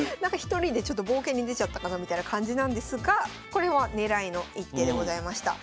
１人で冒険に出ちゃったかなみたいな感じなんですがこれは狙いの一手でございました。